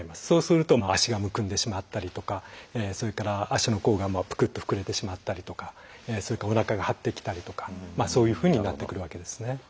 そうすると脚がむくんでしまったりとかそれから足の甲がぷくっと膨れてしまったりとかそれからおなかが張ってきたりとかそういうふうになってくるわけですね。